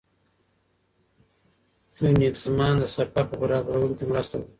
کوېنیګزمان د سفر په برابرولو کې مرسته وکړه.